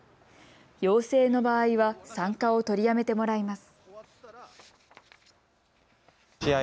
陽性の場合は参加を取りやめてもらいます。